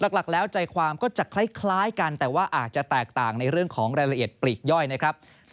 หลักแล้วใจความก็จะคล้ายกันแต่ว่าอาจจะแตกต่างในเรื่องของรายละเอียดปลีกย่อยนะครับ